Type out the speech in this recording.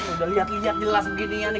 udah liat liat jelas begininya nih